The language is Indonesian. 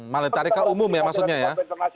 malah ditarik ke umum ya maksudnya ya